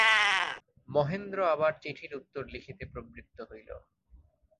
মহেন্দ্র আবার চিঠির উত্তর লিখিতে প্রবৃত্ত হইল।